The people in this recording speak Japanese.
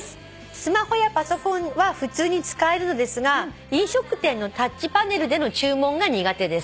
「スマホやパソコンは普通に使えるのですが飲食店のタッチパネルでの注文が苦手です」